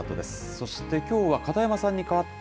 そしてきょうは、片山さんに代わって。